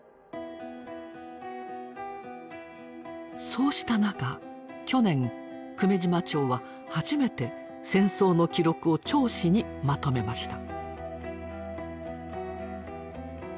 そうした中去年久米島町は初めて戦争の記録を「町史」にまとめました。